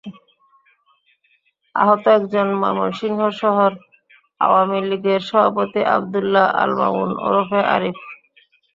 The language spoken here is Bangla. আহত একজন ময়মনসিংহ শহর আওয়ামী লীগের সভাপতি আবদুল্লাহ আল মামুন ওরফে আরিফ।